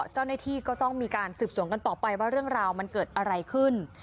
เจ้าหน้าที่ก็ต้องมีการสืบสวนกันต่อไปว่าเรื่องราวมันเกิดอะไรขึ้น